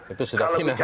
itu sudah finah ya